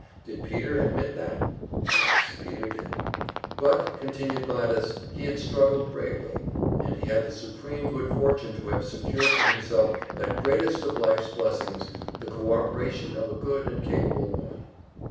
Did Peter admit that? Yes, Peter did. But, continued Gladys, he had struggled bravely, and he had the supreme good fortune to have secured for himself that greatest of life's blessings, the cooperation of a good and capable woman.